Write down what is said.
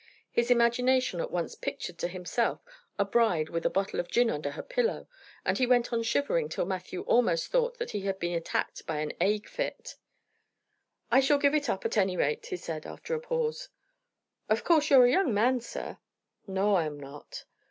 His imagination at once pictured to himself a bride with a bottle of gin under her pillow, and he went on shivering till Matthew almost thought that he had been attacked by an ague fit. "I shall give it up, at any rate," he said, after a pause. "Of course you're a young man, sir." "No, I'm not."